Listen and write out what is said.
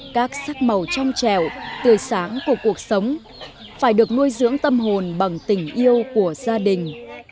các sắc màu trong trèo tươi sáng của cuộc sống phải được nuôi dưỡng tâm hồn bằng tình yêu của gia đình